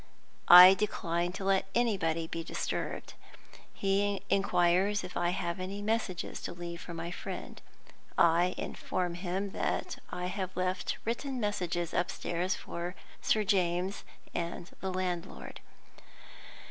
I decline to let anybody be disturbed. He inquires if I have any messages to leave for my friend. I inform him that I have left written messages upstairs for Sir James and the landlord.